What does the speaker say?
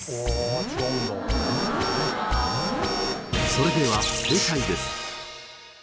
それでは正解です。